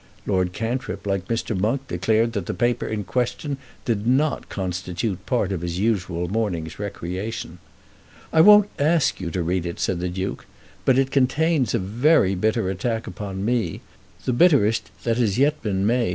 Lord Cantrip, like Mr. Monk, declared that the paper in question did not constitute part of his usual morning's recreation. "I won't ask you to read it," said the Duke; "but it contains a very bitter attack upon me, the bitterest that has yet been made.